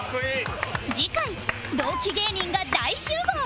次回同期芸人が大集合